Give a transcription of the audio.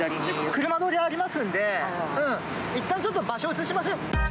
車通りありますんで、いったんちょっと場所、移しましょう。